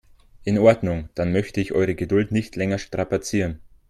In Ordnung, dann möchte ich eure Geduld nicht länger strapazieren.